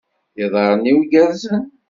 Iḍarren-iw gersen.